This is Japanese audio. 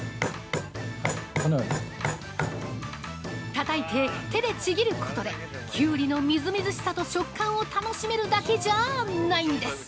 たたいて手でちぎることできゅうりのみずみずしさと食感を楽しめるだけじゃないんです。